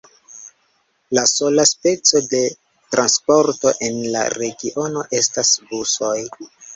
La sola speco de transporto en la regiono estas busoj.